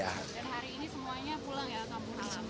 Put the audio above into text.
dan hari ini semuanya pulang ya kampung alam